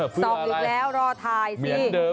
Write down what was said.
เพื่ออะไรครับศอกอีกแล้วรอทายสิ